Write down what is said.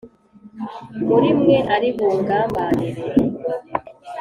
Muri mwe ari bungambanire